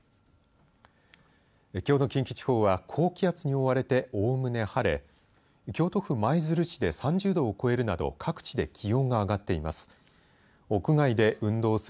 きょうの近畿地方は高気圧に覆われておおむね晴れ京都府舞鶴市で３０度を超えるなど各地で気温が上がっています。